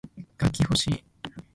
楽器ほしい